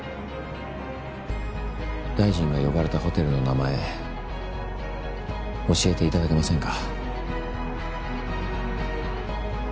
大臣が呼ばれたホテルの名前教えていただけませんか？